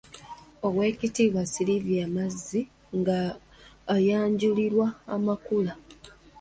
Oweekitiibwa Sylvia Mazzi ng'ayanjulirwa amakula.